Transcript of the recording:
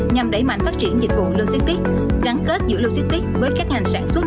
nhằm đẩy mạnh phát triển dịch vụ logistics gắn kết giữa logistics với các ngành sản xuất